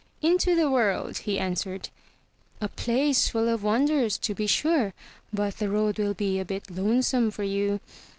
"Into the world," he answered. "A place full of wonders, to be sure, but the road will be a bit lonesome for you.